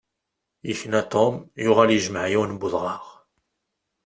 Yekna Tom yuɣal yejmeɛ yiwen n udɣaɣ.